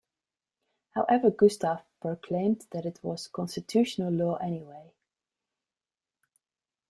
However Gustav proclaimed that it was constitutional law anyway.